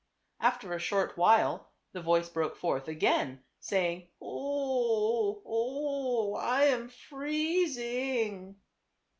After a short while the voice broke forth again, saying, a O oh, o oh ! I am freezing."